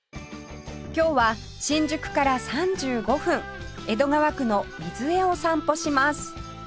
今日は新宿から３５分江戸川区の瑞江を散歩します